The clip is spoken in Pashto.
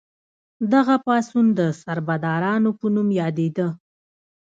دغه پاڅون د سربدارانو په نوم یادیده.